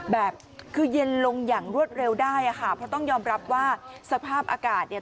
แบบคือเย็นลงอย่างรวดเร็วได้อ่ะค่ะเพราะต้องยอมรับว่าสภาพอากาศเนี่ย